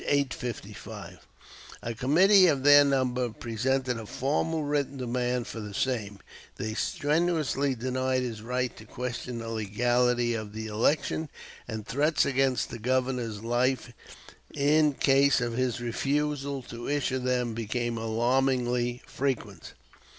855.] A committee of their number presented a formal written demand for the same; they strenuously denied his right to question the legality of the election, and threats against the Governor's life in case of his refusal to issue them became alarmingly frequent.